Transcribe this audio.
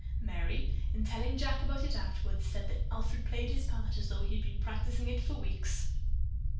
Merry, in telling Jack about it afterwards, said that Alfred played his part as though he had been practicing it for weeks.